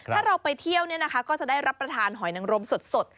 ถ้าเราไปเที่ยวเนี่ยนะคะก็จะได้รับประทานหอยนางรมสดสด